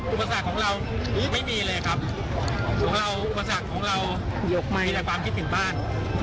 อุปสรรคของเราไม่มีเลยครับอุปสรรคของเรามีในความคิดถึงบ้าน